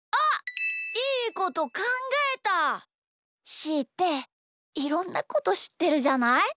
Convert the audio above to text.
しーっていろんなことしってるじゃない？